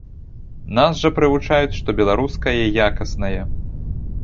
Нас жа прывучаюць, што беларускае якаснае.